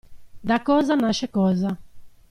Da cosa nasce cosa.